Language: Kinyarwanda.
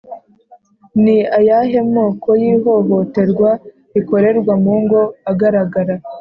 Ni ayahe moko y’ihohoterwa rikorerwa mu ngo agaragara